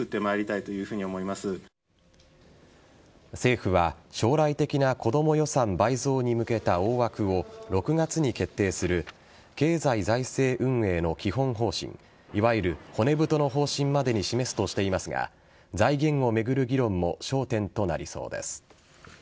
政府は将来的な子ども予算倍増に向けた大枠を６月に決定する経済財政運営の基本方針いわゆる骨太の方針までに示すとしていますが財源を巡る議論も焦点となりそうです。